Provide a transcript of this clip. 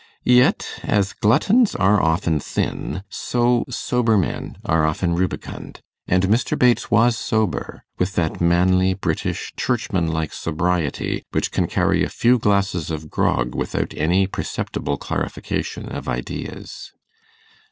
Yet, as gluttons are often thin, so sober men are often rubicund; and Mr. Bates was sober, with that manly, British, churchman like sobriety which can carry a few glasses of grog without any perceptible clarification of ideas.